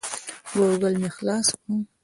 ګوګل مې خلاص کړ.